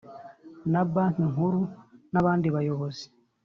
na Banki Nkuru n abandi bayobozi